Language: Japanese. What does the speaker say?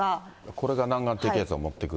これが南岸低気圧を持ってくる？